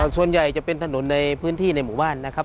ส่วนใหญ่จะเป็นถนนในพื้นที่ในหมู่บ้านนะครับ